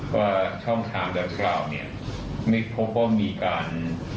ว่าช่องทางดังกล่าวเนี่ยไม่พบว่ามีการ